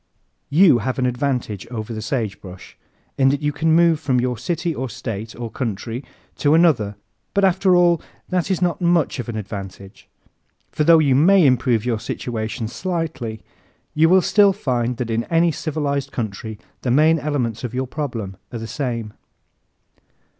You have an advantage over the sagebrush in that you can move from your city or state or country to another, but after all that is not much of an advantage. For though you may improve your situation slightly you will still find that in any civilized country the main elements of your problem are the same.